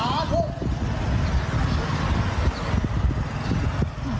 ระวัง